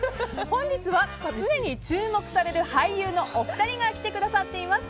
本日は常に注目される俳優のお二人が来てくださっています。